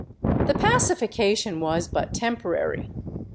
The pacification was but temporary.